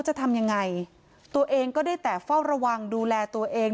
จะทำยังไงตัวเองก็ได้แต่เฝ้าระวังดูแลตัวเอง